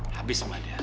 habis mah dia